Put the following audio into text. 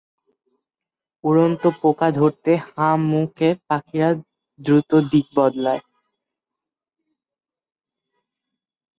উড়ন্ত পোকা ধরতে হাঁ-মুখ এ পাখিরা দ্রুত দিক বদলায়।